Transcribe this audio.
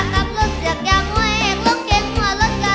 ก็ร้องได้